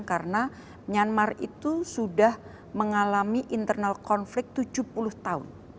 karena myanmar itu sudah mengalami internal konflik tujuh puluh tahun